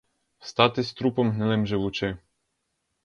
Статись трупом гнилим живучи!